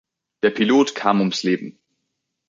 Der Pilot kam ums Leben.